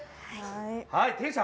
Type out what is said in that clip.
はい。